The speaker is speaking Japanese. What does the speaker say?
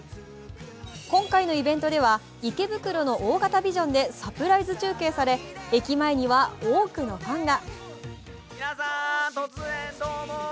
今回のイベントでは、池袋の大型ビジョンでサプライズ中継され、駅前には多くのファンが。